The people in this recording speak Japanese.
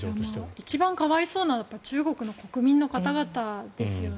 一番可哀想なのは中国の国民の方々ですよね。